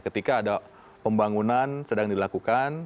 ketika ada pembangunan sedang dilakukan